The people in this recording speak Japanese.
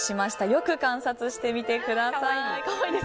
よく観察してみてください。